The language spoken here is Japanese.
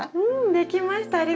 うんできました。